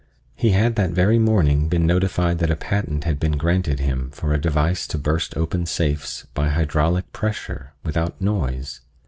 He had that very morning been notified that a patent had been granted him for a device to burst open safes by hydraulic pressure, without noise.